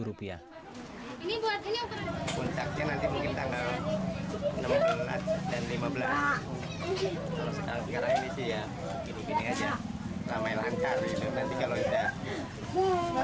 puncaknya nanti mungkin tanggal enam belas dan lima belas